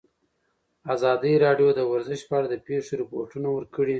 ازادي راډیو د ورزش په اړه د پېښو رپوټونه ورکړي.